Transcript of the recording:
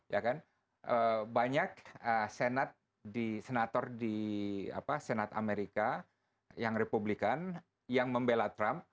ya kan banyak senator di senat amerika yang republikan yang membela trump